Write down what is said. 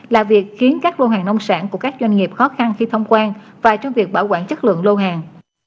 là việc khiến các lô hàng nông sản của các doanh nghiệp khó khăn khi thông quan và trong việc bảo quản chất lượng lô hàng